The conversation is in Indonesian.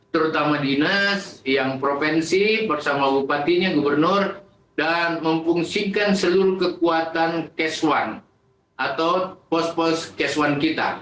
terutama dinas yang provinsi bersama bupatinya gubernur dan memfungsikan seluruh kekuatan cash one atau pos pos cash one kita